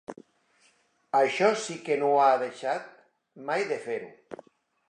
Això sí que no ha deixat mai de fer-ho.